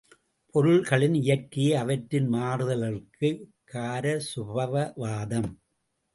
பொருள்களின் இயற்கையே அவற்றின் மாறுதல்களுக்குக் கார சுபாவவாதம்.